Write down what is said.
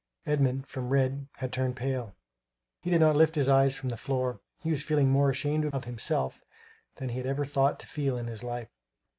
Edmund from red, had turned pale; he did not lift his eyes from the floor; he was feeling more ashamed of himself than he had ever thought to feel in his life.